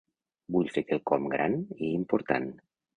Vull fer quelcom gran i important.